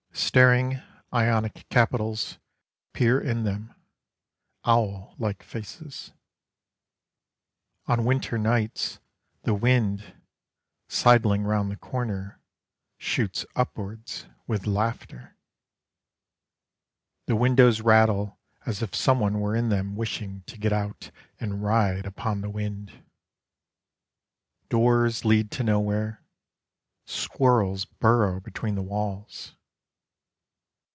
Staring Ionic capitals Peer in them: Owl like faces. On winter nights The wind, sidling round the corner, Shoots upwards With laughter. The windows rattle as if some one were in them wishing to get out And ride upon the wind. Doors lead to nowhere: Squirrels burrow between the walls.